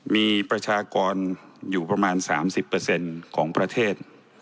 มีประชากรอยู่ประมาณ๓๐ของประเทศ